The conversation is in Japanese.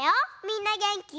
みんなげんき？